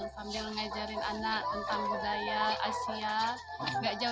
sambil mengajari anak tentang budaya asia